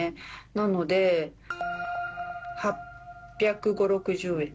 なので、８５０、６０円。